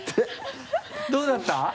どうだった？